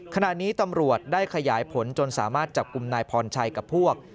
ขณะนี้ตำรวจได้ขยายผลจนสามารถจับกลุ่มนายพรชัยกับพวก